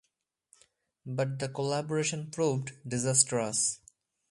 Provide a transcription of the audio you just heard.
But the collaboration proved disastrous.